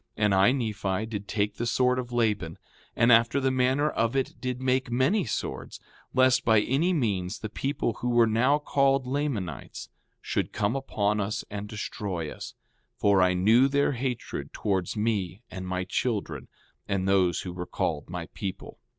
5:14 And I, Nephi, did take the sword of Laban, and after the manner of it did make many swords, lest by any means the people who were now called Lamanites should come upon us and destroy us; for I knew their hatred towards me and my children and those who were called my people.